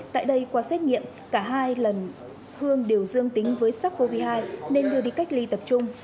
tại đây qua xét nghiệm cả hai lần hương đều dương tính với sars cov hai nên đưa đi cách ly tập trung